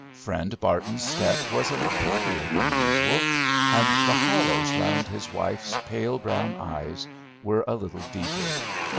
Friend Barton's step was a little heavier than usual, and the hollows round his wife's pale brown eyes were a little deeper.